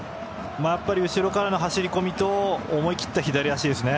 後ろからの走り込みと思い切った左足ですね。